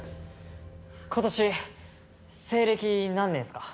今年西暦何年すか？